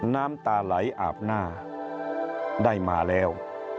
น้ำตาไหลอาบหน้าได้มาแล้ว